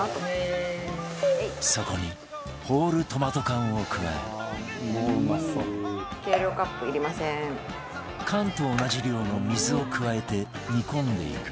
そこにホールトマト缶を加え缶と同じ量の水を加えて煮込んでいく